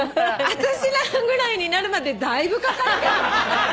私らぐらいになるまでだいぶかかるけどね。